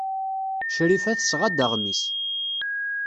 Crifa tesɣa-d aɣmis.